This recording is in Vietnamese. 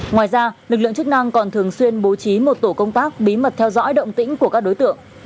ngoài ra lực lượng chức năng còn thường xuyên bố trí một tổ công tác bí mật theo dõi động tĩnh của các đối tượng